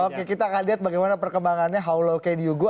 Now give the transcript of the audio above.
oke kita akan lihat bagaimana perkembangannya how low can you go